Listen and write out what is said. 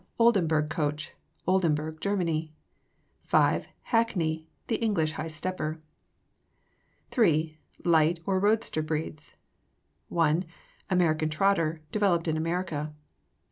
Oldenburg Coach, Oldenburg, Germany. 5. Hackney, the English high stepper. III. Light, or Roadster, Breeds 1. American Trotter, developed in America.